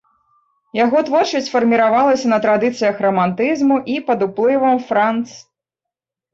Яго творчасць фарміравалася на традыцыях рамантызму і пад уплывам франц.